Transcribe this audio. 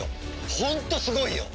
ホントすごいよ！